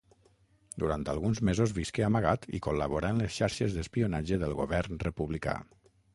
Durant alguns mesos visqué amagat i col·laborà en les xarxes d'espionatge del govern republicà.